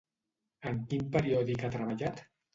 En quin periòdic ha treballat?